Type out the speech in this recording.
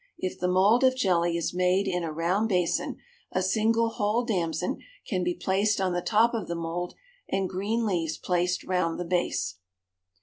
If the mould of jelly is made in a round basin, a single whole damson can be placed on the top of the mould and green leaves placed round the base.